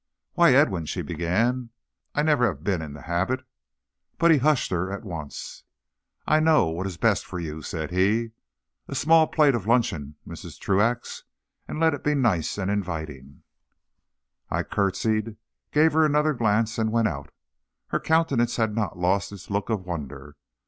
"Why, Edwin," she began, "I never have been in the habit " But he hushed her at once. "I know what is best for you," said he. "A small plate of luncheon, Mrs. Truax; and let it be nice and inviting." I courtesied, gave her another glance, and went out. Her countenance had not lost its look of wonder.